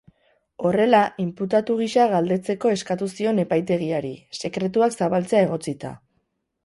Horrela, inputatu gisa galdekatzeko eskatu zion epaitegiari, sekretuak zabaltzea egotzita.